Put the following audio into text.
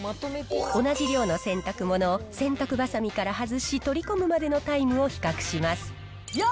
同じ量の洗濯物を洗濯ばさみから外し、取り込むまでのタイムを比較します。